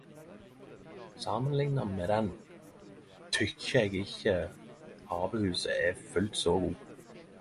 Samanlikna med den tykkjer eg ikkje Apehuset er fullt så god.